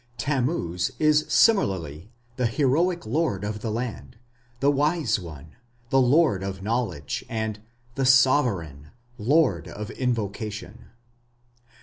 Tammuz is similarly "the heroic lord of the land", the "wise one", the "lord of knowledge", and "the sovereign, lord of invocation".